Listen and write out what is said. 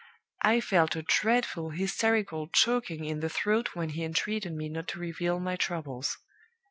I felt a dreadful hysterical choking in the throat when he entreated me not to reveal my troubles.